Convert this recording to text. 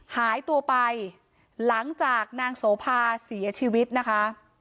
หายตัวไปหลังจากนางโสภาเสียชีวิตนะคะ